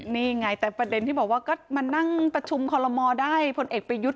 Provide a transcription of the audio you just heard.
นี่ไงแต่ประเด็นที่บอกว่าก็มานั่งประชุมคอลโลมอลได้พลเอกประยุทธ์